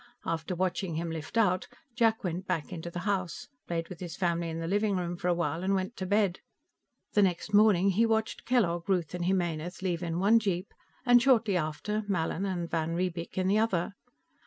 After watching him lift out, Jack went back into the house, played with his family in the living room for a while and went to bed. The next morning he watched Kellogg, Ruth and Jimenez leave in one jeep and, shortly after, Mallin and van Riebeek in the other.